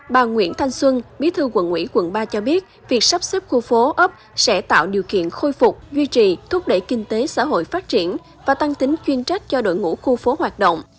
bà nguyễn thanh xuân bí thư quận ủy quận ba cho biết việc sắp xếp khu phố ấp sẽ tạo điều kiện khôi phục duy trì thúc đẩy kinh tế xã hội phát triển và tăng tính chuyên trách cho đội ngũ khu phố hoạt động